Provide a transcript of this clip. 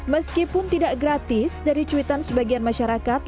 meskipun tidak gratis dari cuitan sebagian masyarakat